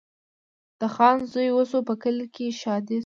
د خان زوی وسو په کلي کي ښادي سوه